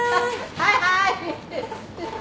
はいはい。